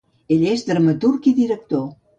Ell és dramaturg i director.